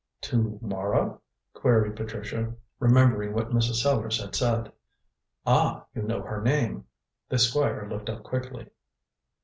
"To Mara?" queried Patricia, remembering what Mrs. Sellars had said. "Ah! you know her name." The Squire looked up quickly.